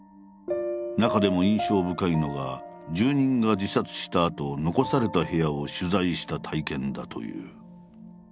中でも印象深いのが住人が自殺したあと残された部屋を取材した体験だという。